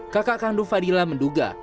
kakak kandung fadila menduga